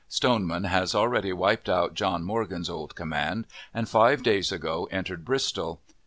Stoneman has nearly wiped out John Morgan's old command, and five days ago entered Bristol.